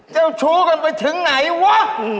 เจ้าชู้กันไปถึงไหนวะ